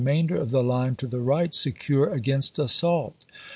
xxiii, mainder of the line to the right secure against assault.